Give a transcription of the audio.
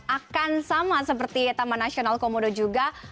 akan sama seperti taman nasional komodo juga